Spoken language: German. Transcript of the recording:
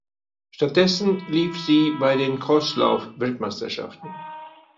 Stattdessen lief sie bei den Crosslauf-Weltmeisterschaften.